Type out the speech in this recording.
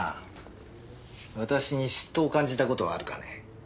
私に嫉妬を感じた事はあるかね？